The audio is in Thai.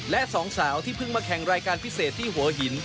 และสองสาวที่เพิ่งมาแข่งรายการพิเศษที่หัวหิน